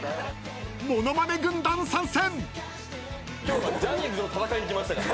ものまね軍団参戦！